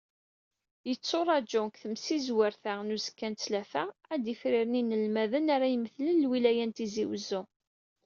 Yetturaǧu seg temsizwert-a n uzekka n ttlata, ad d-ifriren yinelmaden ara imetlen lwilaya n Tizi Uzzu.